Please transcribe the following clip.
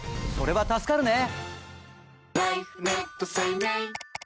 それは助かるね！